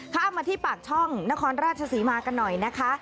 ข้ามมาที่ปากช่องนครราชศรีมากันหน่อยนะคะ